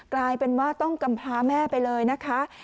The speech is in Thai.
กลายเป็นว่าต้องกำพาแม่ไปเลยนะคะ